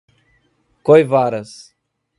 Coivaras